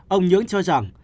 ông nhưỡng cho rằng